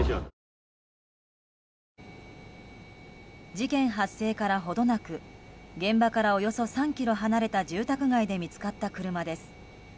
事件発生から程なく現場からおよそ３ｋｍ離れた住宅街で見つかった車です。